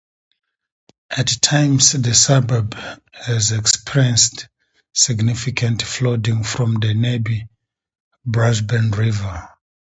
At times the suburb has experienced significant flooding from the nearby Brisbane River.